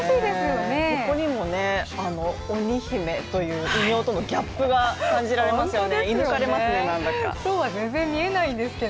ここにも鬼姫という異名とのギャップが感じられますよね。